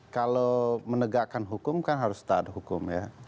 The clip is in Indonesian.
kalau menegakkan hukum kan harus taat hukum ya